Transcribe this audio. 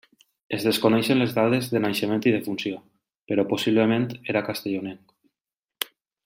Es desconeixen les dades de naixement i defunció, però possiblement era castellonenc.